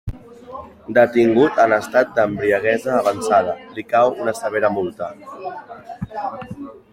Detingut en estat d'embriaguesa avançada, li cau una severa multa.